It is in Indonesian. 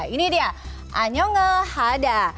ini dia anyonghada